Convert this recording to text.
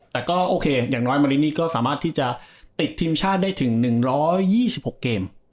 แต่ก็โอเคอย่างน้อยมารินีก็สามารถที่จะติดทีมชาติได้ถึง๑๒๖เกม